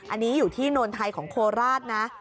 อันนี้อยู่ที่โนนไทยของโคราชนะ